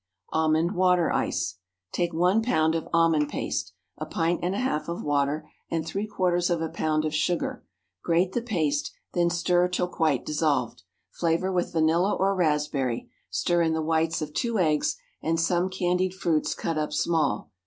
Almond Water Ice. Take one pound of almond paste, a pint and a half of water, and three quarters of a pound of sugar; grate the paste; then stir till quite dissolved. Flavor with vanilla or raspberry; stir in the whites of two eggs and some candied fruits cut up small.